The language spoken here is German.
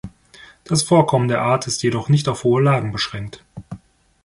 Das Vorkommen der Art ist jedoch nicht auf hohe Lagen beschränkt.